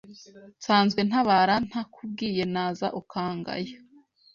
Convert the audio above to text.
nzanzwe ntabara ntakubwiye naza ukangaya